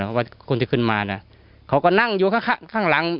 เพราะว่าคนที่ขึ้นมานะเขาก็นั่งอยู่ข้างข้างหลัง